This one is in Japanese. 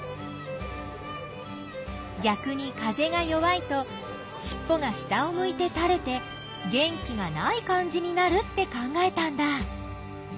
ぎゃくに風が弱いとしっぽが下をむいてたれて元気がない感じになるって考えたんだ。